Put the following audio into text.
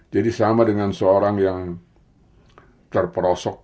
jadi sama dengan seorang yang terperosok